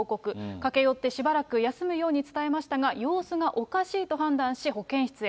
駆け寄ってしばらく休むように伝えましたが、様子がおかしいと判断し、保健室へ。